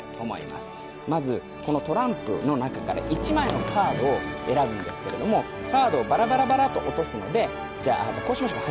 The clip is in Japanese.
まずこのトランプの中から１枚のカードを選ぶんですけれどもカードをバラバラバラッと落とすのでこうしましょうか。